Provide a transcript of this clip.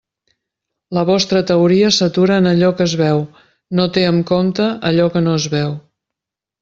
La vostra teoria s'atura en allò que es veu, no té en compte allò que no es veu.